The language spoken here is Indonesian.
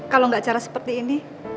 kalau nggak cara seperti ini